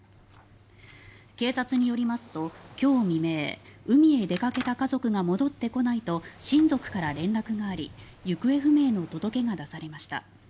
警察によりますと今日未明「海へ出かけた家族が戻ってこない」と親族から連絡があり行方不明の届けが出されました。